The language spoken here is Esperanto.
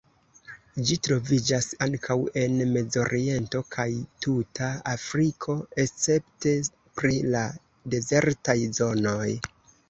Ĝi troviĝas ankaŭ en Mezoriento kaj tuta Afriko, escepte pri la dezertaj zonoj.